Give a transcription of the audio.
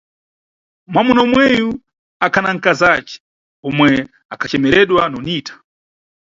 Mwamuna umweyu akhana nkazace, omwe akhacemeredwa Nonita.